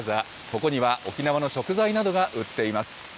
ここには沖縄の食材などが売っています。